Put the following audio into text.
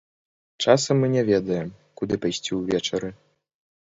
Часам мы не ведаем, куды пайсці ўвечары.